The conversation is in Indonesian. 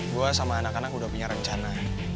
gue sama anak anak udah punya rencana